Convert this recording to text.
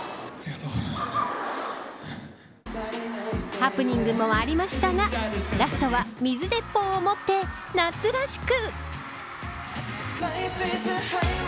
ハプニングもありましたがラストは水鉄砲を持って夏らしく。